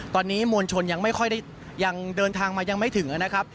ตอนนี้มวลชนยังไม่ค่อยได้ยังเดินทางมายังไม่ถึงนะครับ